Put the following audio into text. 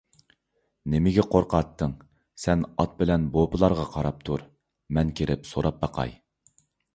نېمىگە قورقاتتىڭ، سەن ئات بىلەن بوپىلارغا قاراپ تۇر، مەن كىرىپ سوراپ باقاي.